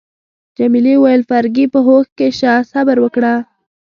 جميلې وويل: فرګي، په هوښ کي شه، صبر وکړه.